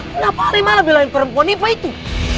kenapa ale malah bilangin perempuan ini apa itu